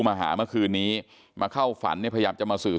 แม่น้องชมพู่แม่น้องชมพู่แม่น้องชมพู่